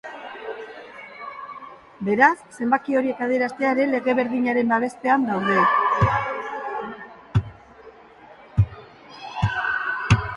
Beraz, zenbaki horiek adieraztea ere lege berdinaren babespean daude.